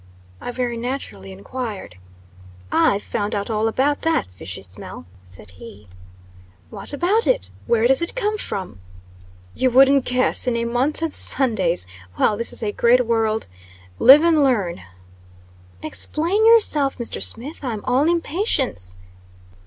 I very naturally enquired. "I've found out all about that fishy smell," said he. "What about it? Where does it come from?" "You wouldn't guess in a month of Sundays! Well, this is a great world! Live and learn!" "Explain yourself, Mr. Smith. I'm all impatience."